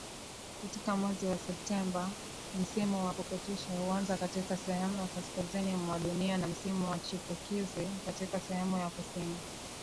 Katika mwezi wa Septemba msimu wa pukutisha huanza katika sehemu ya kaskazini mwa dunia na msimu wa chipukizi katika sehemu ya Kusini